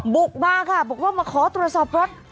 บุกมาค่ะบอกว่ามาขอตรวจสอบรถ